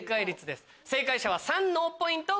正解者は３脳ポイント